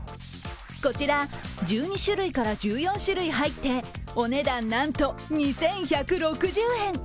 こちら、１２種類から１４種類入ってお値段なんと２１６０円。